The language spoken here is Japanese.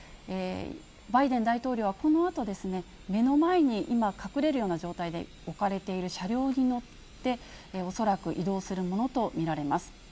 バイデン大統領は、このあとですね、目の前に今、隠れるような状態で置かれている車両に乗って、恐らく移動するものと見られます。